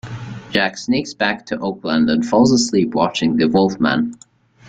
Jack sneaks back to Oakland and falls asleep watching "The Wolf Man".